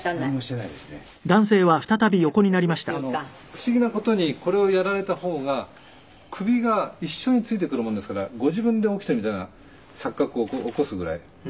不思議な事にこれをやられた方が首が一緒についてくるもんですからご自分で起きてるみたいな錯覚を起こすぐらい。